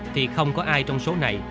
thì không có ai trong số này